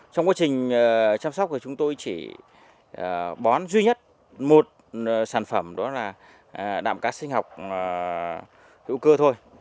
trong quá trình chăm sóc thì chúng tôi chỉ bón duy nhất một sản phẩm đó là đạm cá sinh học hữu cơ thôi